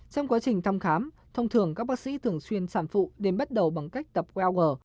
trong quá trình thăm khám thông thường các bác sĩ thường xuyên sản phụ đến bắt đầu bằng cách tập well g